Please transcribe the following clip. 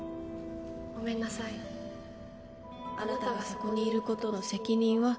「ごめんなさいあなたがそこにいることの責任は」